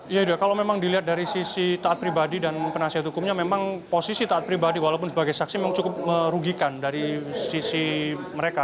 ya kalau memang dilihat dari sisi taat pribadi dan penasihat hukumnya memang posisi taat pribadi walaupun sebagai saksi memang cukup merugikan dari sisi mereka